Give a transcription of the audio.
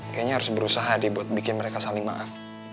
kayaknya harus berusaha deh buat bikin mereka saling maaf